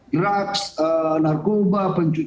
drugs narkoba penjahatan